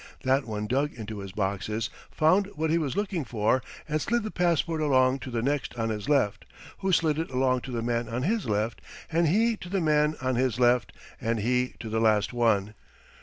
That one dug into his boxes, found what he was looking for, and slid the passport along to the next on his left, who slid it along to the man on his left, and he to the man on his left, and he to the last one.